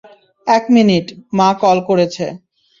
এক মিনিট, মা কল করেছে।